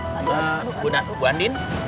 buat aku bu andin